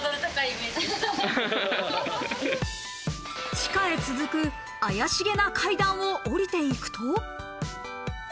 地下へ続く怪しげな階段を下りていくと。